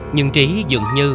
nhưng trí dường như